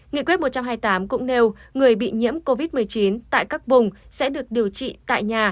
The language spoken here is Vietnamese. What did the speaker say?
nghị quyết một trăm hai mươi tám cũng nêu người bị nhiễm covid một mươi chín tại các vùng sẽ được điều trị tại nhà